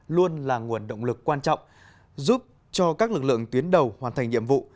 luôn là nguồn động lực quan trọng giúp cho các lực lượng tuyến đầu hoàn thành nhiệm vụ